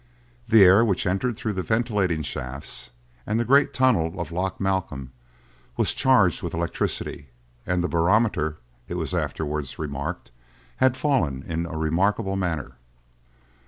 The air which entered through the ventilating shafts, and the great tunnel of Loch Malcolm, was charged with electricity, and the barometer, it was afterwards remarked, had fallen in a remarkable manner.